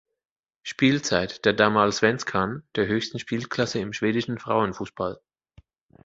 Spielzeit der Damallsvenskan, der höchsten Spielklasse im schwedischen Frauenfußball.